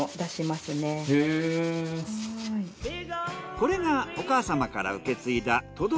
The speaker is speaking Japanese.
これがお母様から受け継いだ都所